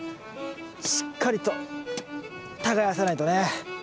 しっかりと耕さないとね。